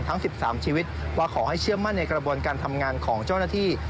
ทั้ง๑๓ชีวิตว่าขอให้เชื่อมั่นในกระบวนการทำงานของเจ้าหน้าที่